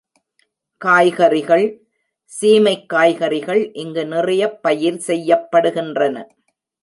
காய் கறிகள் சீமைக் காய்கறிகள் இங்கு நிறையப் பயிர் செய்யப்படுகின்றன.